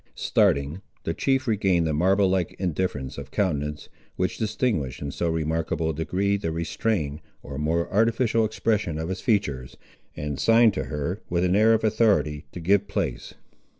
Starting, the chief regained the marble like indifference of countenance, which distinguished in so remarkable a degree the restrained or more artificial expression of his features, and signed to her, with an air of authority to give place.